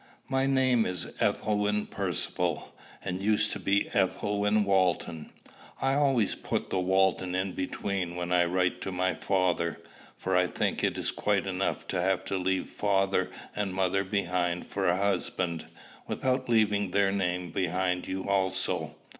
My name is Ethelwyn Percivale, and used to be Ethelwyn Walton. I always put the Walton in between when I write to my father; for I think it is quite enough to have to leave father and mother behind for a husband, without leaving their name behind you also.